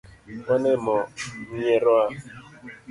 Wan e mo nyierowa.